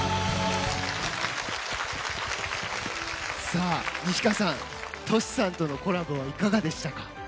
さあ、西川さんＴｏｓｈＩさんとのコラボはいかがでしたか？